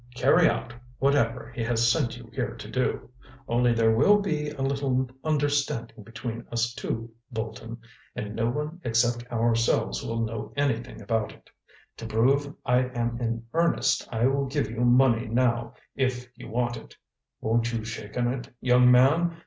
Carry out whatever he has sent you here to do. Only there will be a little understanding between us two, Bolton, and no one except ourselves will know anything about it. To prove I am in earnest, I will give you money now if you want it. Won't you shake on it, young man?"